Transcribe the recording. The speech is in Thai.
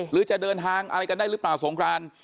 หรือจะเดินทางอะไรกันได้หรือเปล่าสงคราน